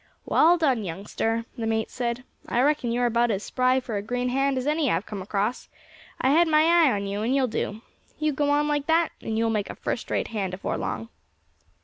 "Wall done, youngster," the mate said; "I reckon you are about as spry for a green hand as any I have come across; I had my eye on you, and you'll do. You go on like that, and you will make a first rate hand afore long."